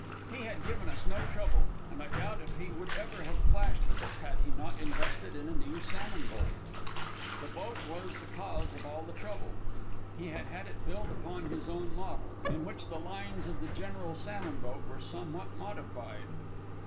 He had given us no trouble, and I doubt if he would ever have clashed with us had he not invested in a new salmon boat. This boat was the cause of all the trouble. He had had it built upon his own model, in which the lines of the general salmon boat were somewhat modified.